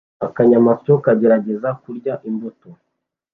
Akanyamasyo kagerageza kurya imbuto